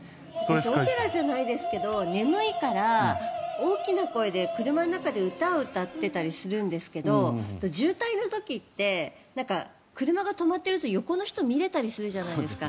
オペラじゃないですけど眠いから大きな声で車の中で歌を歌ったりしているんですが渋滞の時って車が止まっていると横の人を見れたりするじゃないですか。